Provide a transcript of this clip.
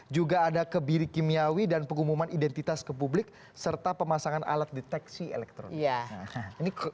juga ada kebiri kimiawi dan pengumuman identitas ke publik serta pemasangan alat deteksi elektronik